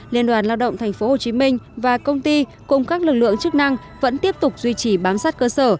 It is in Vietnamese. liên đoàn lao động tp hcm và công ty cùng các lực lượng chức năng vẫn tiếp tục duy trì bám sát cơ sở